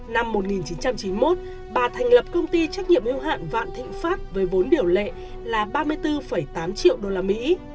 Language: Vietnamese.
năm một nghìn chín trăm chín mươi một bà thành lập công ty trách nhiệm hưu hạn vạn thịnh phát với vốn điểu lệ là ba mươi bốn tám triệu usd